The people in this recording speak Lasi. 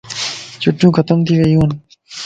چھٽيون ختم ٿي ويو